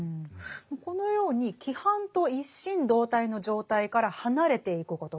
このように「規範と一心同体の状態から離れていくこと」